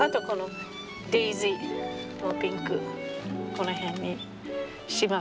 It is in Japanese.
この辺にします。